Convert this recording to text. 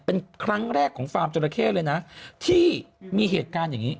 เป็นครั้งแรกของฟาร์มจราเข้เลยนะที่มีเหตุการณ์อย่างนี้